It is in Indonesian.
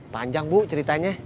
panjang bu ceritanya